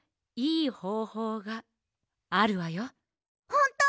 ほんと！？